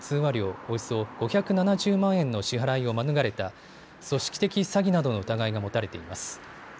およそ５７０万円の支払いを免れた組織的詐欺などの疑いが持たれています。